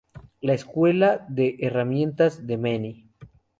La escuela de herramientas de Manny